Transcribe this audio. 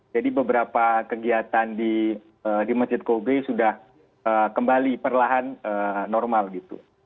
jadi beberapa kegiatan di masjid kobe sudah kembali perlahan normal gitu